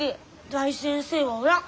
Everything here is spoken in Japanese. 大先生はおらん。